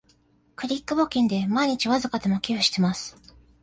クリック募金で毎日わずかでも寄付してます